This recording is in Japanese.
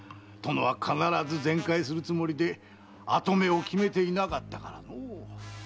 殿は必ず全快するつもりで跡目を決めていなかったからのう。